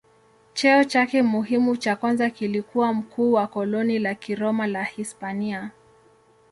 Cheo chake muhimu cha kwanza kilikuwa mkuu wa koloni la Kiroma la Hispania.